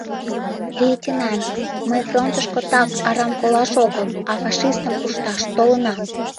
Лейтенант, мый фронтышко так арам колаш огыл, а фашистым пушташ толынам!